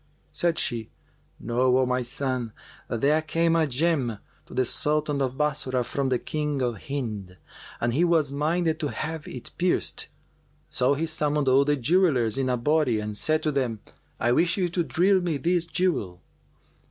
Said she, "Know, O my son, that there came a gem to the Sultan of Bassorah from the King of Hind, and he was minded to have it pierced. So he summoned all the jewellers in a body and said to them, 'I wish you to drill me this jewel.